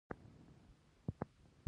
امکان لري ډېر ناوخته ده.